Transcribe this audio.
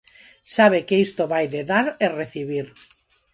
Sabe que isto vai de dar e recibir.